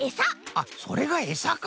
あっそれがエサか。